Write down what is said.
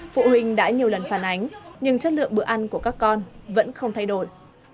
phụ huynh đã nhiều lần phản ánh nhưng chất lượng bữa ăn của các con vẫn không thay đổi